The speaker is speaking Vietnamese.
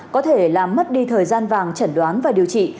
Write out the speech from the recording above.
có thể làm mất đi thời gian vàng chẩn đoán và điều trị